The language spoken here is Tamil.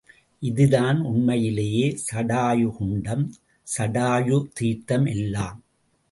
இதுதான் உண்மையிலேயே சடாயுகுண்டம், சடாயுதீர்த்தம் எல்லாம்.